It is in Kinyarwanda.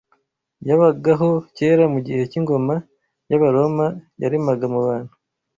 yabagaho kera mu gihe cy’ingoma y’Abaroma yaremaga mu bantu